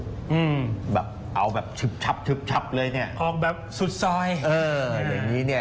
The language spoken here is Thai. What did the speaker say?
อืมแบบเอาแบบชึบฉับชึบฉับเลยเนี้ยออกแบบสุดซอยเอออย่างงี้เนี้ย